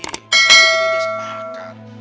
dia udah sepakat